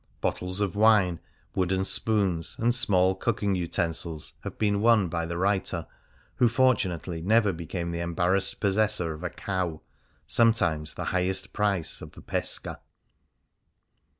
Bottles of wine, wooden spoons, and small cooking utensils have been won by the writer, who fortunately never became the embarrassed possessor of a cow — sometimes the highest prize of the pesca.